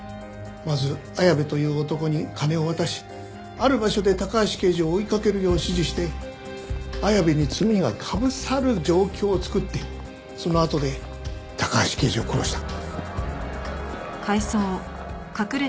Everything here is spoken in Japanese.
まず綾部という男に金を渡しある場所で高橋刑事を追いかけるよう指示して綾部に罪がかぶさる状況を作ってそのあとで高橋刑事を殺した。